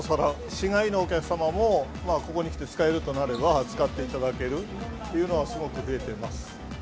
市外のお客様もここに来て使えるとなれば使っていただけるっていうのは、すごく増えています。